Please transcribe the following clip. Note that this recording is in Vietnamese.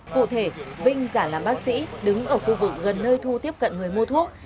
cụ thể vinh giả làm bác sĩ đứng ở khu vực gần nơi thu tiếp cận người mua thuốc